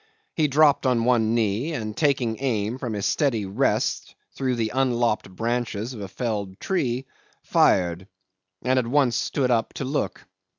He dropped on one knee, and taking aim from a steady rest through the unlopped branches of a felled tree, fired, and at once stood up to look.